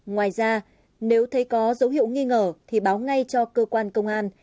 ngoài ra nếu thấy có dấu hiệu nghi ngờ thì báo ngay cho cơ quan công an